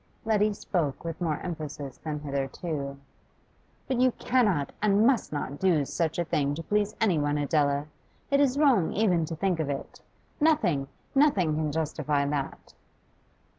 Letty spoke with more emphasis than hitherto. 'But you cannot and must not do such a thing to please any one, Adela! It is wrong even to think of it. Nothing, nothing can justify that.